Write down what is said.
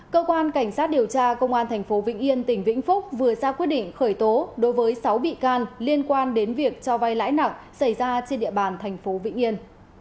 cơ quan cảnh sát điều tra công an tp vĩnh yên tỉnh vĩnh phúc vừa ra quyết định khởi tố đối với sáu bị can liên quan đến việc cho vay lãi nặng xảy ra trên địa bàn thành phố vĩnh yên